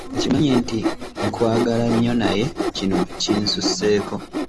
Okimanyi nti nkwagala nnyo naye kino kinsusseeko!